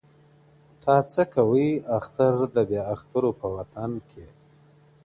تا څه کوئ اختر د بې اخترو په وطن کي.